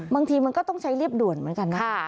บางทีมันก็ต้องใช้เรียบด่วนเหมือนกันนะ